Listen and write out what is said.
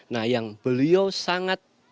nah yang beliau sangat